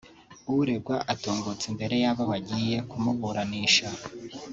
uregwa atungutse imbere yabo bagiye kumuburanisha